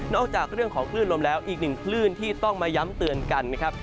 จากเรื่องของคลื่นลมแล้วอีกหนึ่งคลื่นที่ต้องมาย้ำเตือนกันนะครับ